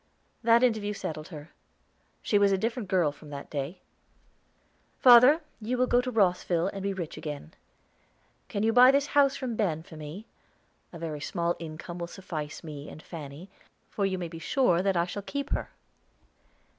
That interview settled her; she was a different girl from that day. "Father, you will go to Rosville, and be rich again. Can you buy this house from Ben, for me? A very small income will suffice me and Fanny, for you may be sure that I shall keep her.